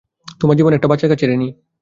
তোমার জীবন একটা বাচ্চার কাছে ঋনী।